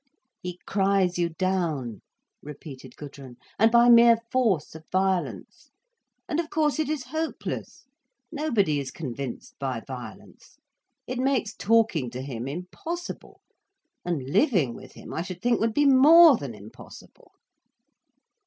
"He cries you down," repeated Gudrun. "And by mere force of violence. And of course it is hopeless. Nobody is convinced by violence. It makes talking to him impossible—and living with him I should think would be more than impossible."